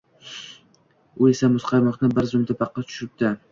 U esa muzqaymoqni bir zumda paqqos tushiribdi